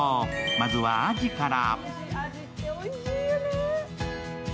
まずは、あじから。